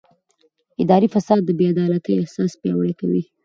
اداري فساد د بې عدالتۍ احساس پیاوړی کوي